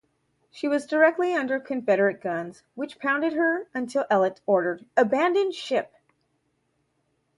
She was directly under Confederate guns, which pounded her until Ellet ordered "abandon ship,".